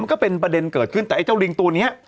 ก็เป็นประเด็นเกิดขึ้นแต่ไอ้เจ้าลิงตัวนี้